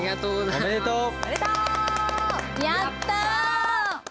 やった！